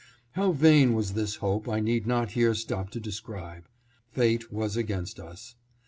How vain was this hope I need not here stop to describe. Fate was against us.